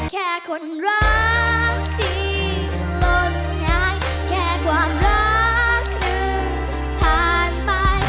แค่คนรักที่หล่นงายแค่ความรักหนึ่งผ่านไป